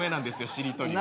しりとりは。